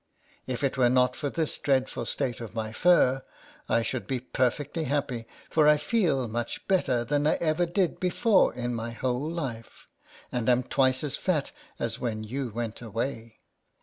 If it were not for this dreadful state of my fur, I should be perfectly happy, for I feel much better than I ever did before in my whole life, and am twice as fat as when you went away.